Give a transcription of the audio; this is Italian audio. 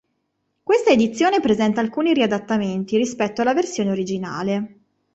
Questa edizione presenta alcuni riadattamenti rispetto alla versione originale.